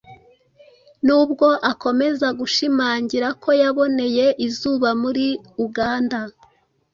nubwo akomeza gushimangira ko yaboneye izuba muri Uganda.